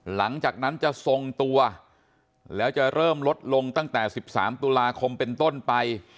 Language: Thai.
หลังจากนั้นจะทรงตัวแล้วจะเริ่มลดลงตั้งแต่๑๓ตุลาคมเป็นต้นไป